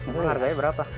mau harganya berapa